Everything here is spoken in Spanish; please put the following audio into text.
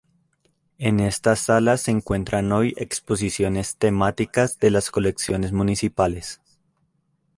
En estas salas se encuentran hoy exposiciones temáticas de las colecciones municipales.